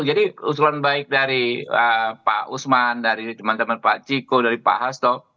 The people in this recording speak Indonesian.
jadi usulan baik dari pak usman dari teman teman pak ciko dari pak hasto